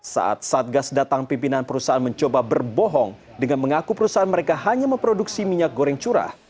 saat satgas datang pimpinan perusahaan mencoba berbohong dengan mengaku perusahaan mereka hanya memproduksi minyak goreng curah